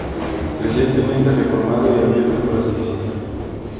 Recientemente reformado y abierto para su visita.